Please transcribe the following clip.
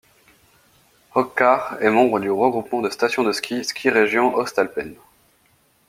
Hochkar est membre du regroupement de stations de ski Skiregion Ostalpen.